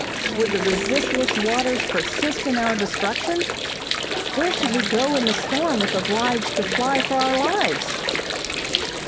Would the resistless waters persist in our destruction? Where should we go in the storm if obliged to fly for our lives?